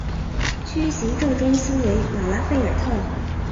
区行政中心为马拉费尔特。